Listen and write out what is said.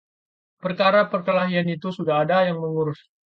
perkara perkelahian itu sudah ada yang mengurus